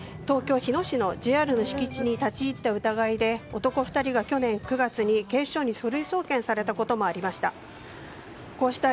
また、廃車になる「踊り子号」を撮影するため東京・日野市のＪＲの敷地に立ち入った疑いで男２人が去年９月に警視庁に書類送検されたこともありました。